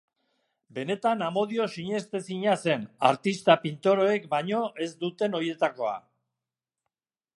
Benetan amodio sinestezina zen, artista pintoreek baino ez duten horietakoa.